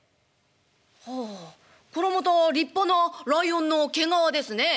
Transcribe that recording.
「はあこれまた立派なライオンの毛皮ですね」。